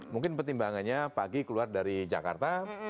mungkin pertimbangannya pagi keluar dari jakarta